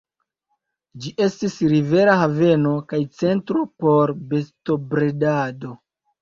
Ĝi estis rivera haveno kaj centro por bestobredado.